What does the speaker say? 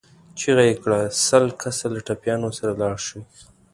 چيغه يې کړه! سل کسه له ټپيانو سره لاړ شئ.